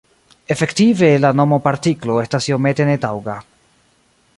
Efektive, la nomo "partiklo" estas iomete netaŭga.